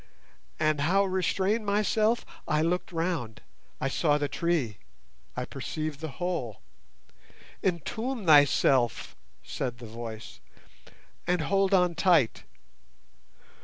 And how restrain myself? I looked round; I saw the tree, I perceived the hole. 'Entomb thyself,' said the voice, 'and hold on tight!